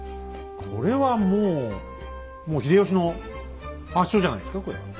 これはもうもう秀吉の圧勝じゃないですかこれは。